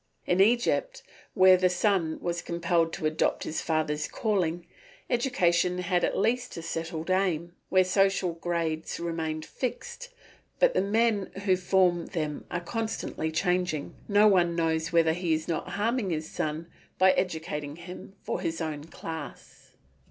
In Egypt, where the son was compelled to adopt his father's calling, education had at least a settled aim; where social grades remain fixed, but the men who form them are constantly changing, no one knows whether he is not harming his son by educating him for his own class.